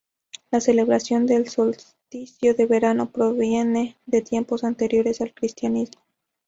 La celebración del solsticio de verano proviene de tiempos anteriores al cristianismo.